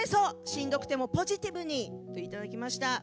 しんどくてもポジティブに」といただきました。